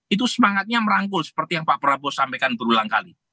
itu semangatnya merangkul seperti yang pak prabowo sampaikan berulang kali